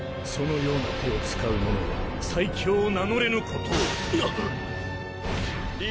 そのような手を使う者は最強を名乗れぬことを！